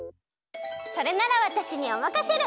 それならわたしにおまかシェル！